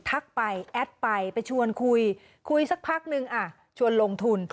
ไปแอดไปไปชวนคุยคุยคุยสักพักนึงชวนลงทุน